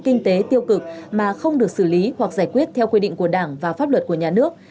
kinh tế tiêu cực mà không được xử lý hoặc giải quyết theo quy định của đảng và pháp luật của nhà nước